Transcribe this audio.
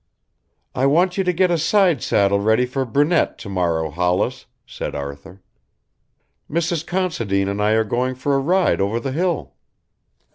"I want you to get a side saddle ready for Brunette to morrow, Hollis," said Arthur. "Mrs. Considine and I are going for a ride over the hill."